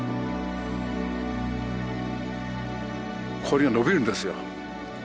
氷がのびるんですよ。